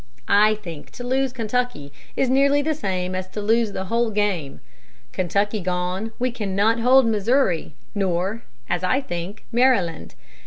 I think to lose Kentucky is nearly the same as to lose the whole game. Kentucky gone, we cannot hold Missouri, nor, as I think, Maryland.